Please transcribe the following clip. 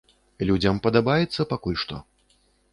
Людзям падабаецца пакуль што.